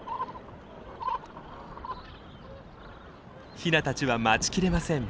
ヒナたちは待ちきれません。